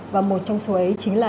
và một trong số ấy chính là